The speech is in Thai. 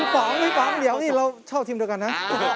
พี่ป๋องเดี๋ยวนี่เราชอบทีมเดียวกันนะ